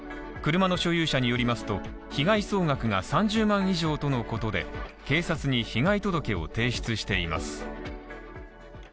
車の所有者によりますと、被害総額が３０万以上とのことで、警察に被害届を提出しています。